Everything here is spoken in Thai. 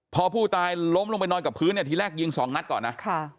พอผู้ตายล้มลงไปนอนกับพื้นเนี่ยทีแรกยิงสองนัดก่อนนะ